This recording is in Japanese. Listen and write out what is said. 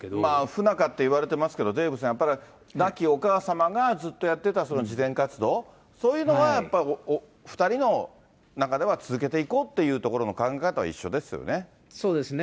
不仲っていわれてますけど、デーブさん、やっぱり亡きお母様がずっとやってた慈善活動、そういうのはやっぱり２人の中では続けていこうということの考えそうですね。